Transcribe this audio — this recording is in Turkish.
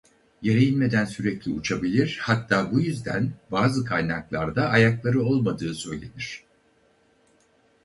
Yere inmeden sürekli uçabilir hatta bu yüzden bazı kaynaklarda ayakları olmadığı söylenir.